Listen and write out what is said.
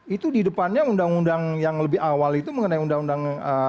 itu di depannya undang undang yang lebih awal itu mengenai undang undang